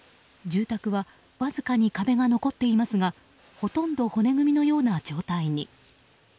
住宅はわずかに壁が残っていますがほとんど骨組みのような状態に。